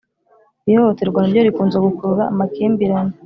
Iri hohoterwa na ryo rikunze gukurura amakimbirane